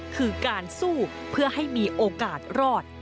คือการสู้เพื่อให้มีโอกาสรอด